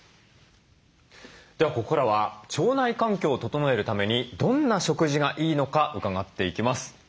ではここからは腸内環境を整えるためにどんな食事がいいのか伺っていきます。